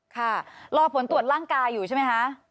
ค่ะรอผลตรวจร่างกายอยู่ใช่ไหมคะ